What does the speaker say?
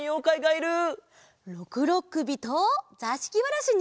ろくろっくびとざしきわらしに。